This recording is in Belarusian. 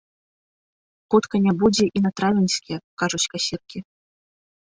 Хутка не будзе і на травеньскія, кажуць касіркі.